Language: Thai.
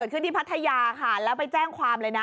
ขึ้นที่พัทยาค่ะแล้วไปแจ้งความเลยนะ